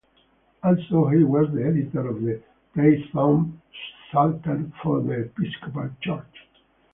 Also, he was the editor of the Plainsong Psalter for the Episcopal Church.